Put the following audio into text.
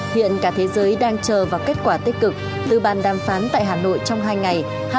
hiện cả thế giới đang chờ vào kết quả tích cực từ bàn đàm phán tại hà nội trong hai ngày